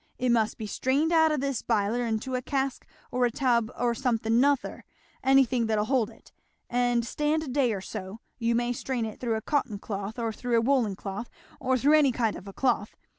it must be strained out o' this biler into a cask or a tub or somethin' 'nother, anythin' that'll hold it, and stand a day or so; you may strain it through a cotton cloth, or through a woollen cloth, or through any kind of a cloth!